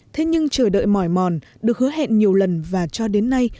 thế nhưng chờ đợi mỏi mòn được hứa hẹn nhiều lần và cho đến nay